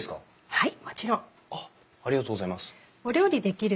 はい。